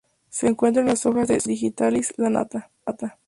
Se encuentra en las hojas de "Digitalis lanata".